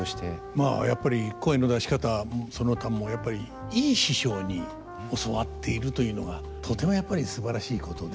まあやっぱり声の出し方その他もやっぱりいい師匠に教わっているというのがとてもやっぱりすばらしいことで。